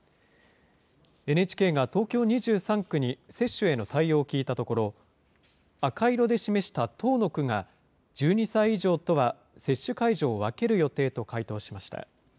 ＮＨＫが東京２３区に接種への対応を聞いたところ、赤色で示した１０の区が、１２歳以上とは接種会場を分ける予定と回答しました。